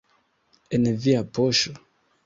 En via poŝo.